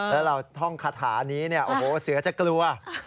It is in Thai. แล้วท่องคาถานี้เสือจะกลัว